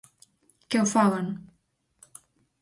¡Que o fagan!